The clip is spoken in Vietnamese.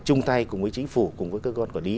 chung tay cùng với chính phủ cùng với cơ quan quản lý